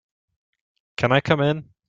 Can I come in?